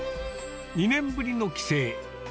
２年ぶりの帰省。